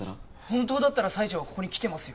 本当だったら西条はここに来てますよ。